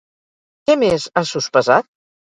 Què més ha sospesat?